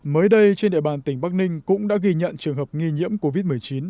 mới đây trên địa bàn tỉnh bắc ninh cũng đã ghi nhận trường hợp nghi nhiễm covid một mươi chín